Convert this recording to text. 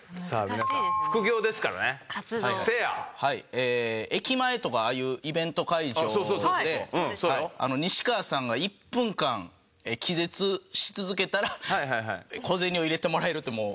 ええ駅前とかああいうイベント会場で西川さんが１分間気絶し続けたら小銭を入れてもらえるっていう。